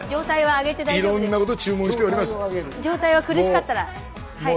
上体は苦しかったらはい。